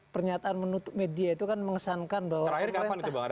pernyataan menutup media itu kan mengesankan bahwa pemerintah akan menutup media